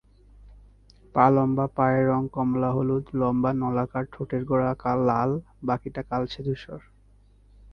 পা লম্বা, পায়ের রং কমলা-হলুদ, লম্বা নলাকার ঠোঁটের গোড়া লাল, বাকিটা কালচে ধূসর।